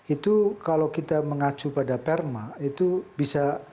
itu kalau kita mengacu pada perma itu bisa